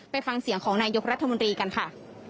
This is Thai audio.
ไปฟังเสียงของนายกรัฐมนตรีกันค่ะ